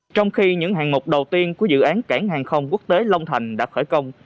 trong khi những hàng mục đầu tiên của dự án cảng hàng không quốc tế long thành đã khởi công